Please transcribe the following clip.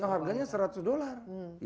harganya seratus dolar